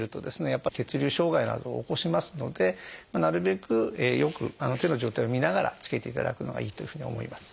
やっぱり血流障害などを起こしますのでなるべくよく手の状態を見ながらつけていただくのがいいというふうに思います。